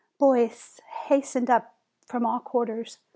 Boys hastened up from all quarters.